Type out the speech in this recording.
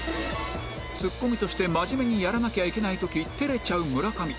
ツッコミとして真面目にやらなきゃいけない時照れちゃう村上。